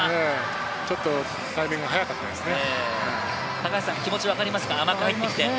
ちょっとタイミングが早かったですね。